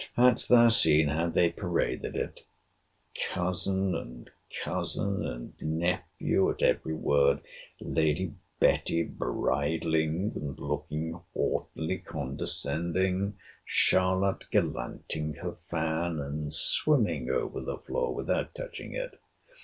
Hadst thou seen how they paraded it—Cousin, and Cousin, and Nephew, at every word; Lady Betty bridling and looking haughtily condescending.—Charlotte galanting her fan, and swimming over the floor without touching it.